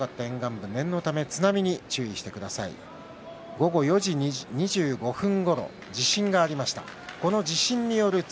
午後４時２５分ごろ地震がありました。